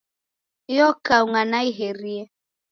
Iyo kaunga naiherie.